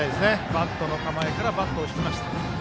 バントの構えからバットを引きました。